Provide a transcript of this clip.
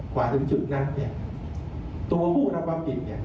กว่าถึงจุดนั้นเนี่ยตัวผู้รับปรับผิดเนี่ยคลอดน้ำแน่นอน